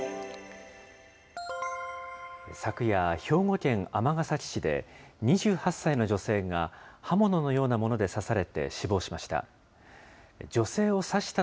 昨夜、兵庫県尼崎市で、２８歳の女性が、刃物のようなもので刺されて死亡しました。